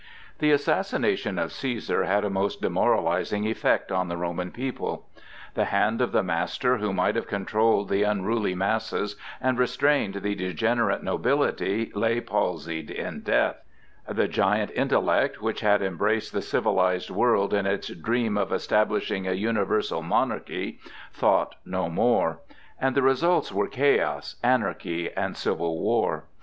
The assassination of Cæsar had a most demoralizing effect on the Roman people. The hand of the master who might have controlled the unruly masses and restrained the degenerate nobility lay palsied in death; the giant intellect, which had embraced the civilized world in its dream of establishing a universal monarchy, thought no more; and the results were chaos, anarchy, and civil war.